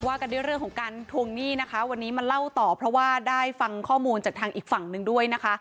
กันด้วยเรื่องของการทวงหนี้นะคะวันนี้มาเล่าต่อเพราะว่าได้ฟังข้อมูลจากทางอีกฝั่งหนึ่งด้วยนะคะ